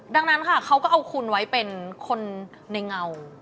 ดังนั้นค่ะเขาก็เอาคุณไว้เป็นคนในเงา